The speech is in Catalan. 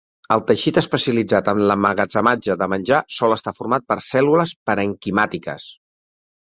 El teixit especialitzat en l'emmagatzematge de menjar sol estar format per cèl·lules parenquimàtiques.